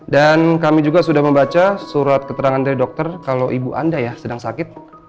dan kami juga sudah membaca surat keterangan dari dokter kalau ibu anda ya sedang sakit